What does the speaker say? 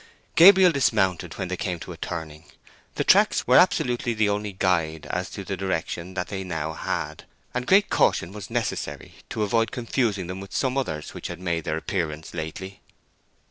Gabriel dismounted when they came to a turning. The tracks were absolutely the only guide as to the direction that they now had, and great caution was necessary to avoid confusing them with some others which had made their appearance lately.